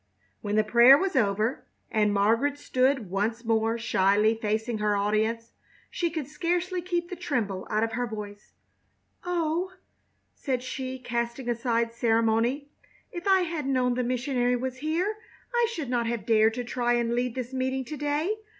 When the prayer was over and Margaret stood once more shyly facing her audience, she could scarcely keep the tremble out of her voice: "Oh," said she, casting aside ceremony, "if I had known the missionary was here I should not have dared to try and lead this meeting to day.